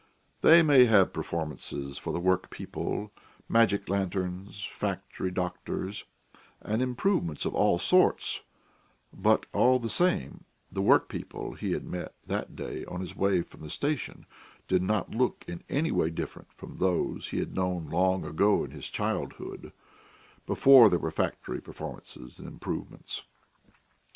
They may have performances for the workpeople, magic lanterns, factory doctors, and improvements of all sorts, but, all the same, the workpeople he had met that day on his way from the station did not look in any way different from those he had known long ago in his childhood, before there were factory performances and improvements.